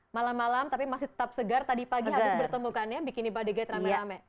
malam malam tapi masih tetap segar tadi pagi habis bertemu kan ya bikini pak deget rame rame